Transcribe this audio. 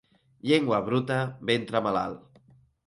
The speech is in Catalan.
Llengua bruta, ventre malalt.